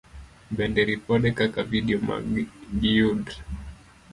Bende, ripode kata vidio ma giyud